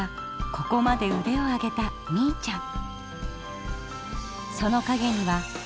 ここまで腕を上げたみいちゃん。